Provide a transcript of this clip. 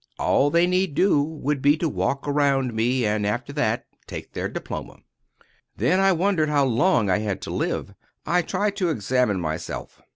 All they need do would be to walk round me, and, after that, take their diploma. Then I wondered how long I had to live. I tried to examine myself.